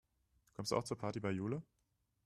Kommst du auch zur Party bei Jule?